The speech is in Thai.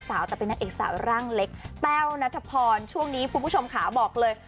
แต่เป็นนางเอกสาวร่างเล็กแต้วนัทพรช่วงนี้คุณผู้ชมขาบอกเลย